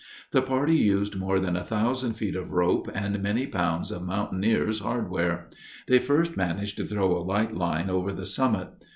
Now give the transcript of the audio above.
The party used more than a thousand feet of rope and many pounds of mountaineer's hardware. They first managed to throw a light line over the summit.